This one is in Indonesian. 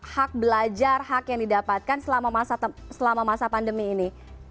hak belajar hak yang didapatkan selama masa pandemi ini